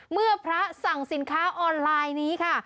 เมื่อพระสั่งสินค้าออนไลน์นี้ค่ะ